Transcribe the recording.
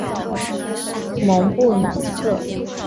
蒙布朗克。